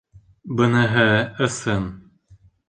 Быныһы ысын.